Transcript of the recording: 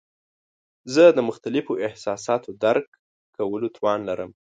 زه د مختلفو احساساتو درک کولو توان لرم.